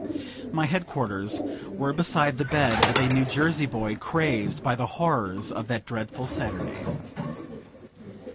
My headquarters were beside the bed of a New Jersey boy, crazed by the horrors of that dreadful Saturday.